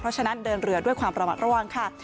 เพราะฉะนั้นเดินเรือด้วยความระมัดระวังค่ะ